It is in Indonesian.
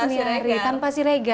masnihari tanpa siregar